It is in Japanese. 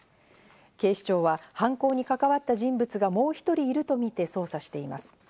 警視庁は犯行に関わった人物がもう１人いるとみて捜査しています。